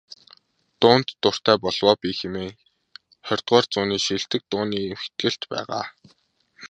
"Дуунд дуртай болов оо би" хэмээх ХХ зууны шилдэг дууны эмхэтгэлд байгаа.